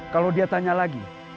kalau dia tanya lagi